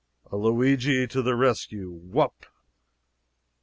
"A Luigi to the rescue! Whoop!"